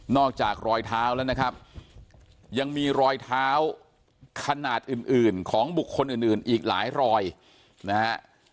อกจากรอยเท้าแล้วนะครับยังมีรอยเท้าขนาดอื่นของบุคคลอื่นอีกหลายรอยนะฮะ